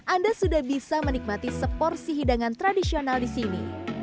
anda sudah bisa menikmati seporsi hidangan tradisional disini